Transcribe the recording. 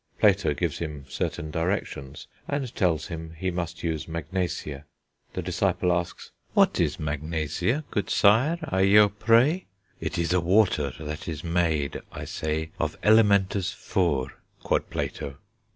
Plato gives him certain directions, and tells him he must use magnasia; the disciple asks 'What is Magnasia, good sire, I yow preye?' 'It is a water that is maad, I seye, Of elementés fourè,' quod Plato.